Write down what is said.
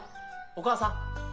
お義母さん。